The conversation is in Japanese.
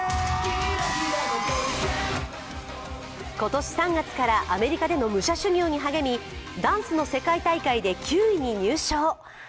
今年３月からアメリカでの武者修行に励みダンスの世界大会で９位に入賞。